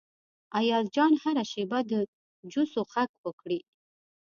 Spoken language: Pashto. ایاز جان هره شیبه د جوسو غږ وکړي.